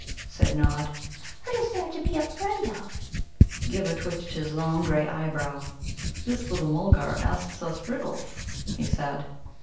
said Nod. "What is there to be afraid of?" Ghibba twitched his long grey eyebrow. "The little Mulgar asks us riddles," he said.